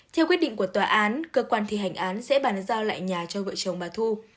theo quyết định của tòa án cơ quan thi hành án sẽ bàn giao lại nhà cho vợ chồng bà thu